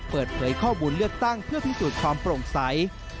เปิดเผยข้อมูลเลือกตั้งเพื่อพิสูจน์ความโปร่งใส